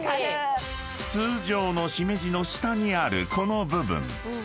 ［通常のしめじの下にあるこの部分］